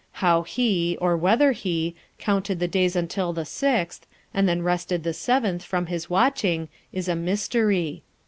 How he, or whether he, counted the days until the sixth, and then rested the seventh from his watching, is a mystery.